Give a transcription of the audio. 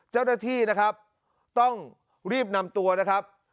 เจ้าหน้าที่นะครับต้องรีบนำตัวนะครับ